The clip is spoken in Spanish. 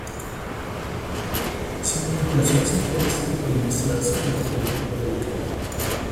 Sin manipulaciones internas y pudiendo instalarse en cualquier tipo de buque.